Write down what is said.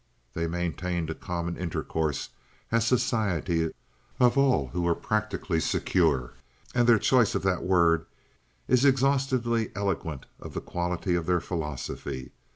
They maintained a common intercourse as "Society" of all who were practically secure, and their choice of that word is exhaustively eloquent of the quality of their philosophy.